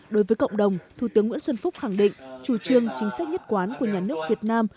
đối với cộng đồng thủ tướng nguyễn xuân phúc khẳng định chủ trương chính sách nhất quán của nhà nước việt nam